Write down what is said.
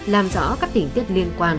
làm rõ các tình tiết liên quan